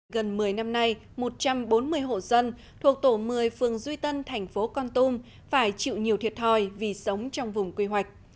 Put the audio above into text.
gần một mươi năm nay một trăm bốn mươi hộ dân thuộc tổ một mươi phường duy tân thành phố con tum phải chịu nhiều thiệt thòi vì sống trong vùng quy hoạch